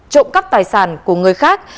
trộn các tài sản của người khác